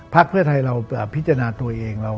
เพื่อไทยเราพิจารณาตัวเอง